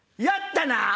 やったな！